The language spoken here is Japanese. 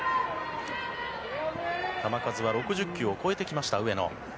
球数は６０球を超えてきた上野。